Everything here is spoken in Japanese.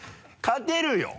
勝てるよ！